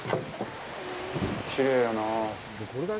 きれいやなあ。